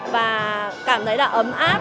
và cảm thấy là ấm áp